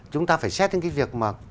chúng ta phải xét những cái việc mà